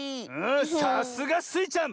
さすがスイちゃん！